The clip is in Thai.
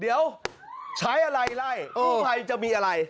เดียวใช้อะไรไล่ผู้ไพมีอะไร